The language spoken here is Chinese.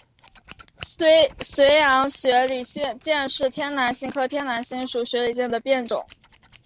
绥阳雪里见是天南星科天南星属雪里见的变种。